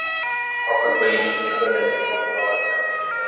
Oka kwenye jiko lenye moto wa wastani